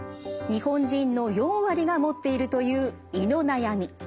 日本人の４割が持っているという胃の悩み。